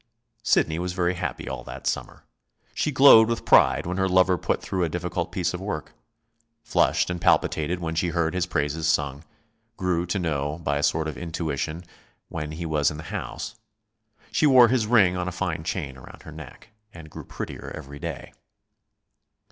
Sidney was very happy all that summer. She glowed with pride when her lover put through a difficult piece of work; flushed and palpitated when she heard his praises sung; grew to know, by a sort of intuition, when he was in the house. She wore his ring on a fine chain around her neck, and grew prettier every day.